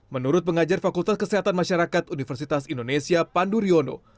menurut pengajar fakultas kesehatan masyarakat universitas indonesia panduryono